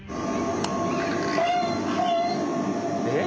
えっ？